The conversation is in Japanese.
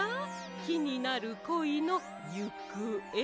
きになるこいのゆくえ？